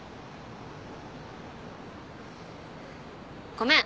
ごめん。